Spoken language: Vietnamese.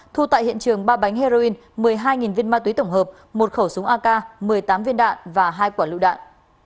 thu tại hiện trường ba bánh heroin một mươi hai viên ma túy tổng hợp một khẩu súng ak một mươi tám viên đạn và hai quả lựu đạn